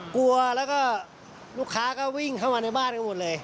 กลัวแล้วก็ลูกค้าก็วิ่งเข้ามาในบ้านกันหมดเลย